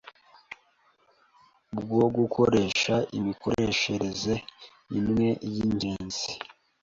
bwo gukoresha Imikoreshereze imwe yingenzi